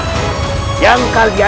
kalau begitu kalian